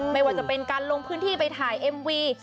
ไม่ว่าจะเป็นการลงพื้นที่ไปถ่ายเอ็มวี